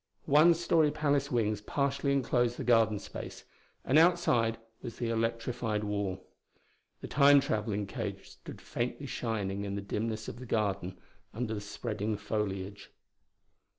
One story palace wings partially enclosed the garden space, and outside was the electrified wall. The Time traveling cage stood faintly shining in the dimness of the garden under the spreading foliage.